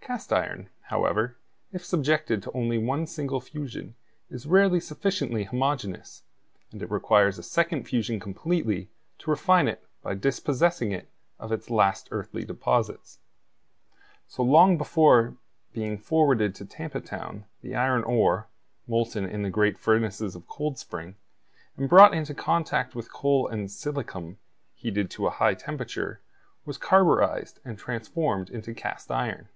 Cast iron, however, if subjected to only one single fusion, is rarely sufficiently homogeneous; and it requires a second fusion completely to refine it by dispossessing it of its last earthly deposits. So long before being forwarded to Tampa Town, the iron ore, molten in the great furnaces of Coldspring, and brought into contact with coal and silicium heated to a high temperature, was carburized and transformed into cast iron.